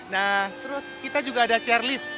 nah terus kita juga ada chairlift